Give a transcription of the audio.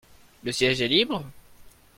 Le siège est libre ?